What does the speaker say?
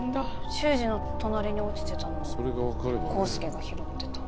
秀司の隣に落ちてたのを康助が拾ってた。